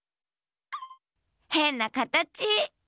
へんなかたち！